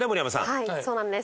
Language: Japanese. はいそうなんです。